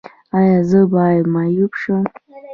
ایا زه به معیوب شم؟